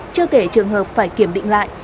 chưa kể trường hợp phải kiểm định lại